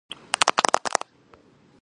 მეტად წვრილი ქერცლი და კბილები აქვს.